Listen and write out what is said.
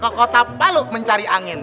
kokotap baluk mencari angin